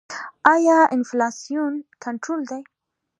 آیا انفلاسیون کنټرول دی؟